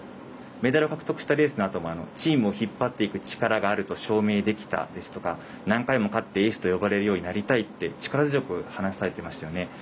メダルを獲得したレースのあとチームを引っ張っていく力があると証明できたですとか何回も勝ってエースと呼ばれるようになりたいと力強く話されていましたよね。